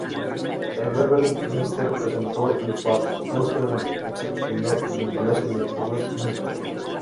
El Beverley Minster representó el fastuoso esplendor del Palacio de Westminster.